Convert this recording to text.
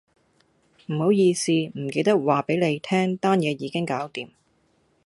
唔好意思，唔記得話俾你聽單嘢已經搞掂